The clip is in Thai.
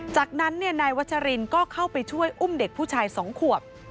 จากนั้นนายวัชรินก็เข้าไปช่วยอุ้มเด็กผู้ชาย๒ขวบ